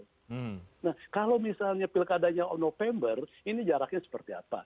nah kalau misalnya pilkadanya november ini jaraknya seperti apa